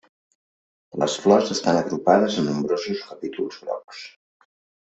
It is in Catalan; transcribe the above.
Les flors estan agrupades en nombrosos capítols grocs.